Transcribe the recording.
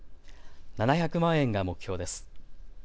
７００万円が目標です。